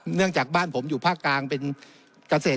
เนื่องจากบ้านผมอยู่ภาคกลางเป็นเกษตร